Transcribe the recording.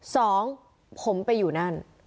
สองผมไปอยู่นั่น